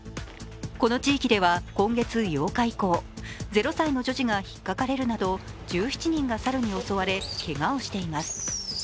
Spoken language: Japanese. この地域では今月８日以降０歳の女児が引っかかれるなど１７人が猿に襲われけがをしています。